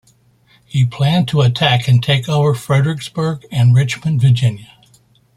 He planned to attack and take over Fredericksburg and Richmond, Virginia.